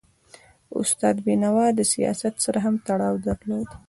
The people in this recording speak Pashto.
استاد بینوا د سیاست سره هم تړاو درلود.